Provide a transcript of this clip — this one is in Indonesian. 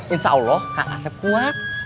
insya allah kak asep kuat